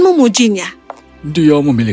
ketika dia menjana